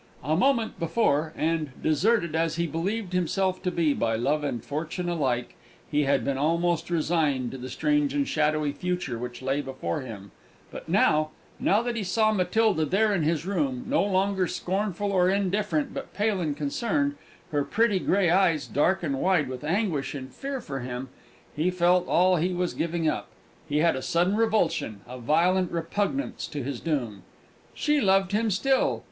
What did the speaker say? A moment before, and, deserted as he believed himself to be by love and fortune alike, he had been almost resigned to the strange and shadowy future which lay before him; but now now that he saw Matilda there in his room, no longer scornful or indifferent, but pale and concerned, her pretty grey eyes dark and wide with anguish and fear for him he felt all he was giving up; he had a sudden revulsion, a violent repugnance to his doom. She loved him still!